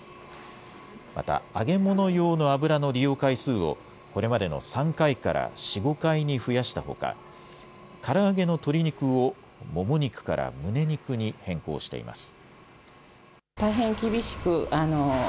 また、揚げ物用の油の利用回数を、これまでの３回から４、５回に増やしたほか、から揚げの鶏肉を、もも肉から胸肉に変更しています。